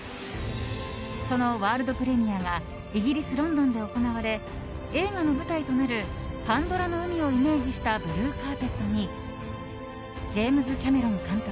そのワールドプレミアがイギリス・ロンドンで行われ映画の舞台となるパンドラの海をイメージしたブルーカーペットにジェームズ・キャメロン監督